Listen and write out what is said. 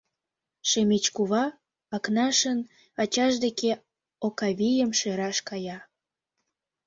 Шемеч кува Акнашын ачаж деке Окавийым шӧраш кая.